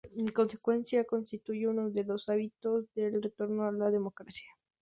En consecuencia, constituye uno de los hitos del retorno a la democracia.